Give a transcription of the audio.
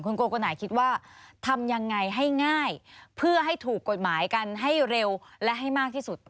โกคนไหนคิดว่าทำยังไงให้ง่ายเพื่อให้ถูกกฎหมายกันให้เร็วและให้มากที่สุด